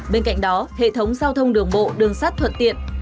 bên cạnh đó hệ thống giao thông đường bộ đường sắt thuận tiện